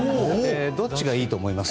どっちがいいと思います？